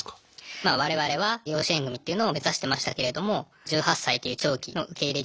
まあ我々は養子縁組っていうのを目指してましたけれども１８歳という長期の受け入れになるので。